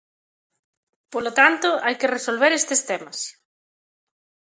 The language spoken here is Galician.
Polo tanto, hai que resolver estes temas.